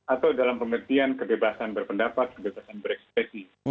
atau dalam pengertian kebebasan berpendapat kebebasan berekspresi